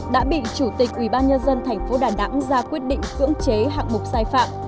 đã bị chủ tịch ubnd tp đà nẵng ra quyết định cưỡng chế hạng mục sai phạm